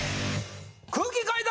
空気階段。